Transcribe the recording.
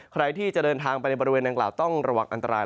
ใครที่จะเดินทางไปในบริเวณดังกล่าวต้องระวังอันตราย